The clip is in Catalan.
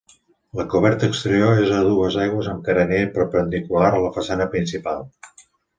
La coberta exterior és a dues aigües amb el carener perpendicular a la façana principal.